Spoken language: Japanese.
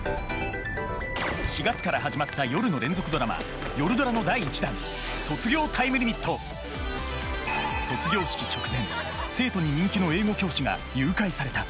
４月から始まった夜の連続ドラマ「夜ドラ」の第１弾卒業式直前生徒に人気の英語教師が誘拐された。